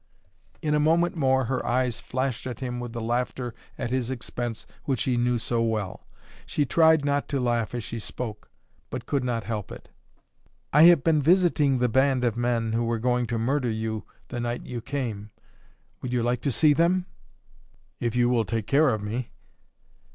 In a moment more her eyes flashed at him with the laughter at his expense which he knew so well; she tried not to laugh as she spoke, but could not help it. "I have been visiting the band of men who were going to murder you the night you came. Would you like to see them?" "If you will take care of me."